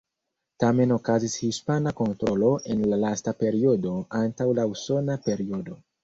Tamen okazis hispana kontrolo en la lasta periodo antaŭ la usona periodo.